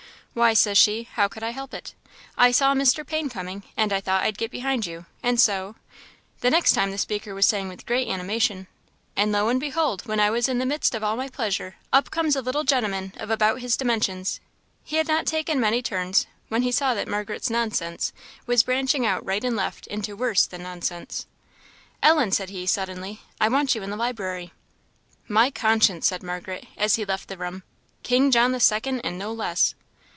'Why,' says she, 'how could I help it? I saw Mr. Payne coming, and I thought I'd get behind you, and so' ". The next time the speaker was saying with great animation, "And lo and behold, when I was in the midst of all my pleasure, up comes a little gentleman of about his dimensions ." He had not taken many turns, when he saw that Margaret's nonsense was branching out right and left into worse than nonsense. "Ellen!" said he, suddenly "I want you in the library." "My conscience!" said Margaret, as he left the room "King John the second, and no less."